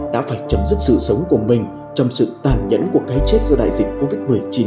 đã phải chấm dứt sự sống của mình trong sự tàn nhẫn của cái chết do đại dịch covid một mươi chín